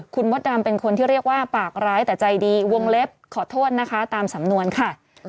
คุณมดดำเป็นคนที่เรียกว่าปากร้ายแต่ใจดีวงเล็บขอโทษนะคะตามสำนวนค่ะ